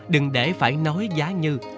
đừng để phải nói giá như